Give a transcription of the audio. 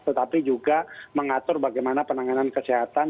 tetapi juga mengatur bagaimana penanganan kesehatan